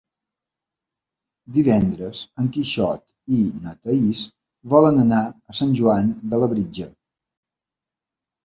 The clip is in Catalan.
Divendres en Quixot i na Thaís volen anar a Sant Joan de Labritja.